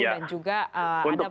dan juga ada pasien yang berusaha